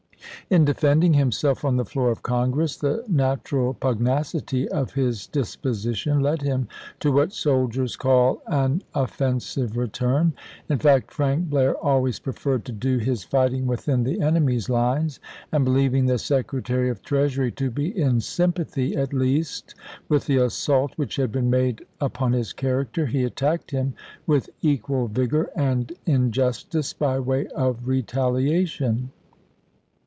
In defending himself on the floor of Congress the natural pugnacity of his disposition led him to what soldiers call an offensive return,— in fact, Frank Blair always preferred to do his fighting within the enemy's lines, — and believing the Secretary of the Treasury to be in sympathy, at least, with the assault which had been made up on his character, he attacked him with equal vigor and injustice by way of retaliation.